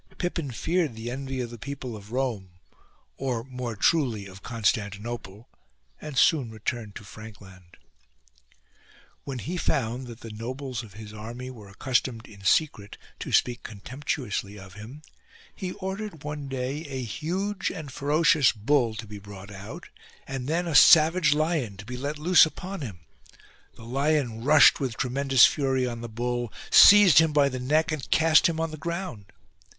Pippin feared 140 HIS PROWESS the envy of the people of Rome (or, more truly, ox Constantinople) and soon returned to Frankland. When he found that the nobles of his army were accustomed in secret to speak contemptuously of him, he ordered one day a huge and ferocious bull to be brought out ; and then a savage lion to be let loose upon him. The lion rushed with tre mendous fury on the bull, seized him by the neck and cast him on the ground.